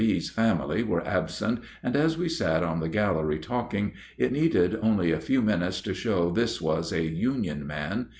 B.'s family were absent, and as we sat on the gallery talking, it needed only a few minutes to show this was a "Union man."